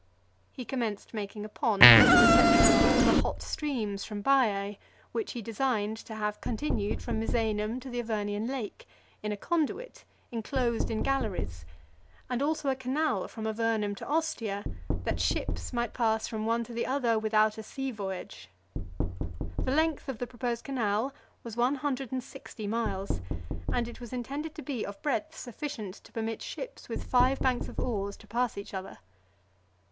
He commenced making a pond for the reception of all the hot streams from Baiae, which he designed to have continued from Misenum to the Avernian lake, in a conduit, enclosed in galleries; and also a canal from Avernum to Ostia, that ships might pass from one to the other, without a sea voyage. The length of the proposed canal was one hundred and sixty miles; and it was intended to be of breadth sufficient to permit ships with five banks of oars to pass each other.